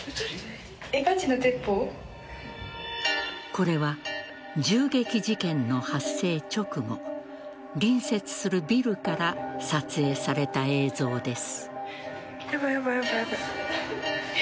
これは銃撃事件の発生直後隣接するビルから撮影された映像です。